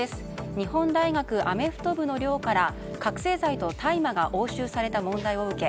日本大学アメフト部の寮から覚醒剤と大麻が押収された問題を受け